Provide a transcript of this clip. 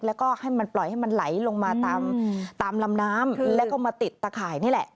แล้วก็ให้มันปล่อยให้มันไหลลงมาตามลำน้ำแล้วก็มาติดตะข่ายนี่แหละ